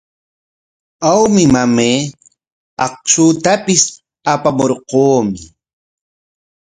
Awmi, mamay, akshutapis apamurquumi.